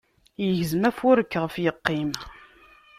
Igzem afurk ɣef iqqim.